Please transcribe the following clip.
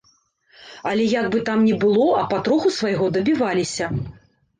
Але як бы там ні было, а патроху свайго дабіваліся.